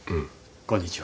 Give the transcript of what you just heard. こんにちは。